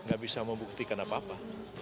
gak bisa membuktikan apa apa